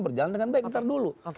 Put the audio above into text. berjalan dengan baik ntar dulu